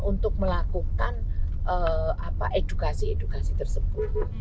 untuk melakukan edukasi edukasi tersebut